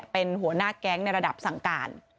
เป็นหัวหน้าแก๊งในระดับสั่งการ